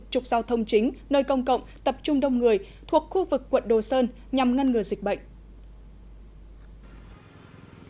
trục giao thông chính nơi công cộng tập trung đông người thuộc khu vực quận đồ sơn nhằm ngăn ngừa dịch bệnh